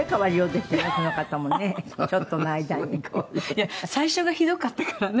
いや最初がひどかったからね。